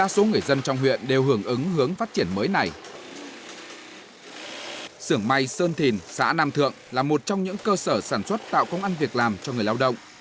sưởng may sơn thìn xã nam thượng là một trong những cơ sở sản xuất tạo công ăn việc làm cho người lao động